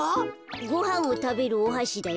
ごはんをたべるおはしだよ。